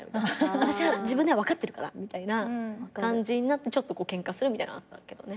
私は自分では分かってるからみたいな感じになってちょっとこうケンカするみたいなのはあったけどね。